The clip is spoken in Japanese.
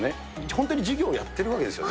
本当に授業をやっているわけですよね。